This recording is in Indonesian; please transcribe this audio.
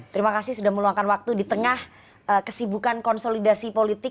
terima kasih sudah meluangkan waktu di tengah kesibukan konsolidasi politik